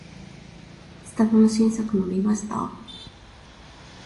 スタバの新作飲みました？